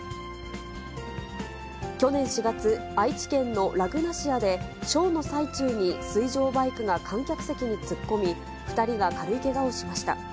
去年４月、愛知県のラグナシアで、ショーの最中に水上バイクが観客席に突っ込み、２人が軽いけがをしました。